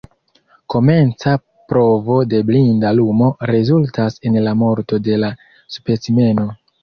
Komenca provo de blinda lumo rezultas en la morto de la specimeno.